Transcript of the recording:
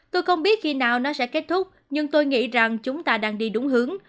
tôi không biết khi nào nó sẽ kết thúc nhưng tôi nghĩ rằng chúng ta đang đi đúng hướng